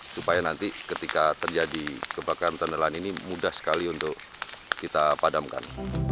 supaya nanti ketika terjadi kebakaran tenderlan ini mudah sekali untuk kita padamkan